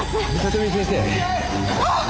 あっ！